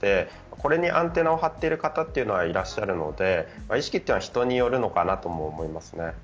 これにアンテナを張っている方はいらっしゃるので意識は人によるのかなと思います。